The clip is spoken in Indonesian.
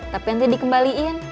tapi nanti dikembalikan